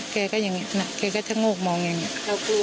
แกก็อย่างนี้แกก็ชะโงกมองอย่างนี้